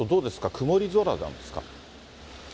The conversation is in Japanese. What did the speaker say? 曇り空なんですか？